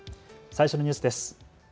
最初のニュースです。